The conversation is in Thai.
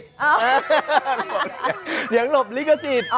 เสียงหลบลิกศิษฐ์